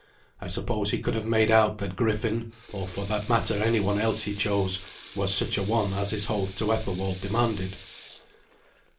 I suppose he could have made out that Griffin, or for that matter any one else he chose, was such a one as his oath to Ethelwald demanded.